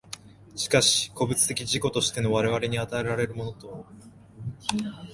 しかし個物的自己としての我々に与えられるものは、